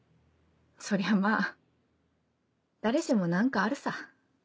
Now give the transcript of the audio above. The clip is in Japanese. そりゃまぁ誰しも何かあるさ。